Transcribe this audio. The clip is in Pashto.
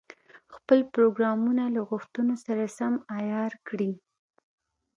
خپل پروګرامونه له غوښتنو سره سم عیار کړي.